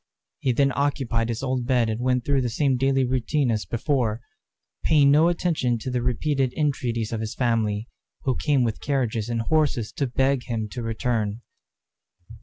He then occupied his old bed and went through the same daily routine as before, paying no attention to the repeated entreaties of his family, who came with carriages and horses to beg him to return.